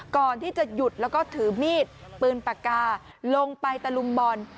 ก่อนที่จะหยุดแล้วก็ถือมีดปืนปากกาลงไปตะลุมบอล